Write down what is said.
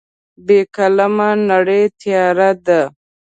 بې قلمه نړۍ تیاره ده.